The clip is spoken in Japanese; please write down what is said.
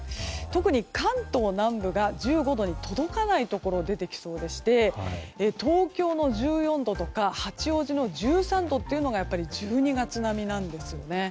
特に関東南部が１５度に届かないところでが出てきそうでして東京の１４度とか八王子の１３度というのが１２月並みなんですね。